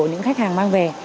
những khách hàng mang về